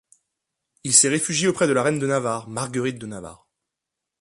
Il s'est réfugié auprès de la reine de Navarre Marguerite de Navarre.